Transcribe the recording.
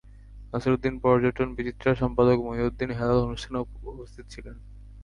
নাসির উদ্দিন পর্যটন বিচিত্রার সম্পাদক মহিউদ্দিন হেলাল অনুষ্ঠানে উপস্থিত ছিলেন।